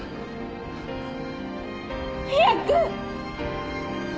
早く！